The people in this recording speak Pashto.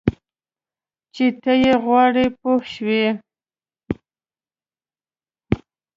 چې ته یې غواړې پوه شوې!.